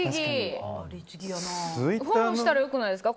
フォローしたら良くないですか。